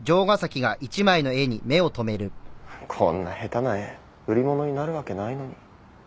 こんな下手な絵売り物になるわけないのに。